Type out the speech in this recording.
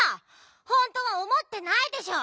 ほんとはおもってないでしょ！